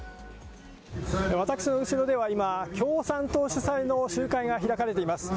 私の後ろでは今、共産党主催の集会が開かれています。